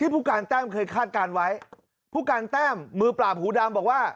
ผู้การแต้มเคยคาดการณ์ไว้ผู้การแต้มมือปราบหูดำบอกว่า